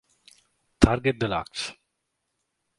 Target deluxe